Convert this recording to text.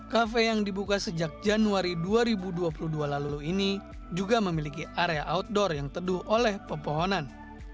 kafe yang dibuka sejak januari dua ribu dua puluh dua lalu ini juga memiliki area outdoor yang teduh oleh pepohonan